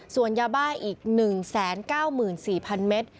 ส่วนยาบ้าอีก๑๙๔๐๐เมตร